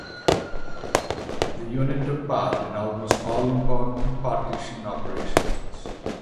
The unit took part in almost all important Partisan operations.